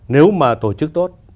nếu mà tổ chức tốt